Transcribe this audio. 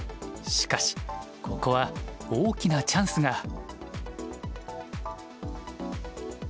しかしここは大きなチャンスが。